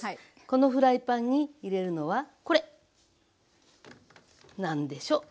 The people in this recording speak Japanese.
このフライパンに入れるのはこれ！何でしょう？